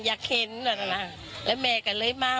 แล้วแม่กันเลยมา